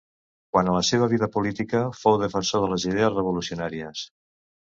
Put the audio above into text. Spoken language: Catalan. Quant a la seva vida política, fou defensor de les idees revolucionàries.